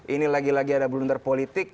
ini lagi lagi ada blunder politik